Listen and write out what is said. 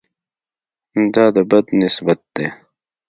دا د بد نسبت ده.